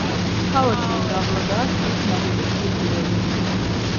ქალაქში მრავლადაა ქვით ნაგები სტრუქტურები.